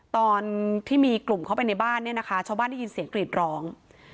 ตอนที่มีกลุ่มเข้าไปในบ้านเนี่ยนะคะชาวบ้านได้ยินเสียงกรีดร้อง